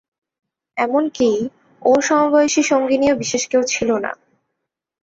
এমন-কি, ওর সমবয়সী সঙ্গিনীও বিশেষ কেউ ছিল না।